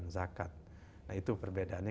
zakat nah itu perbedaannya